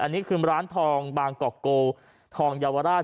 อันนี้คือร้านทองบางกอกโกทองเยาวราช